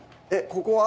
ここは？